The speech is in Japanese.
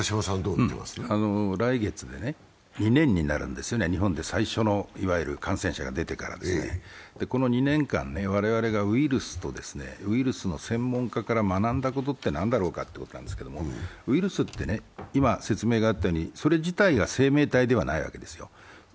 来月で２年になるんですよね、日本で最初の感染者が出てからこの２年間、我々がウイルスとウイルスの専門家から学んだことって何だろうということなんですけど、ウイルスって、今、説明があったように、それ自体が生命体なわけではないんですよ。